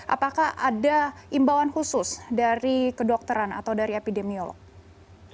apakah ada imbauan khusus dari kedokteran atau dari epidemiolog